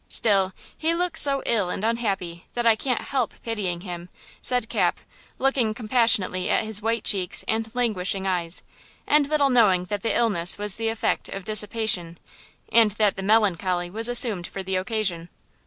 Still, he looks so ill and unhappy that I can't help pitying him," said Cap, looking compassionately at his white cheeks and languishing eyes, and little knowing that the illness was the effect of dissipation and that the melancholy was assumed for the occasion.